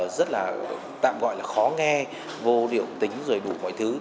rất là tạm gọi là khó nghe vô điệu tính rồi đủ mọi thứ